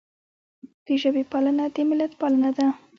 د ژبې پالنه د ملت پالنه ده.